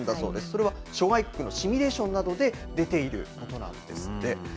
それは諸外国のシミュレーションなどで出ていることなんですって。